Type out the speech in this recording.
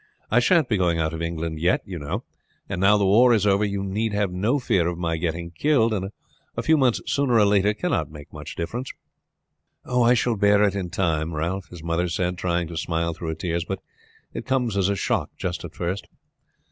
"I shan't be going out of England yet, you know; and now the war is over you need have no fear of my getting killed, and a few months sooner or later cannot make much difference." "I shall bear it in time, Ralph," his mother said, trying to smile through her tears. "But it comes as a shock just at first."